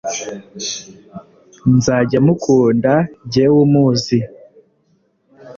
nzajya mukunda jyewe umuzi